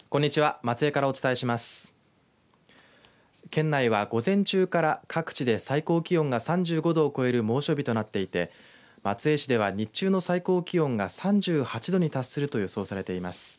県内は午前中から各地で最高気温が３５度を超える猛暑日となっていて松江市では日中の最高気温が３８度に達すると予想されています。